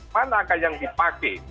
mana akan yang dipakai